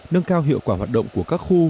nâng cao hiệu quả hoạt động của các khu